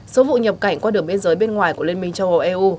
số vụ nhập cảnh qua đường biên giới bên ngoài của liên minh châu âu eu